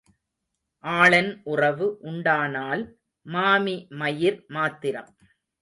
ஆளன் உறவு உண்டானால் மாமி மயிர் மாத்திரம்.